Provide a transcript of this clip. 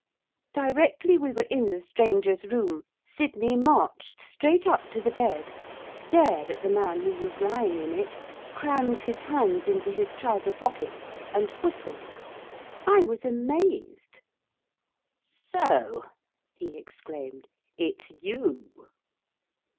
Directly we were in the stranger's room, Sydney marched straight up to the bed, stared at the man who was lying in it, crammed his hands into his trouser pockets, and whistled. I was amazed. 'So!' he exclaimed. 'It's you!